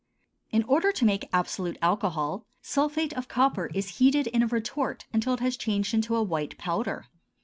In order to make absolute alcohol, sulphate of copper is heated in a retort until it has changed into a white powder.